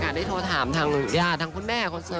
อยากให้โทรถามทางหลือทางคุณแม่คนเสิร์ฟ